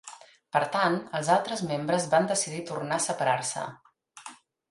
Per tant, els altres membres van decidir tornar a separar-se.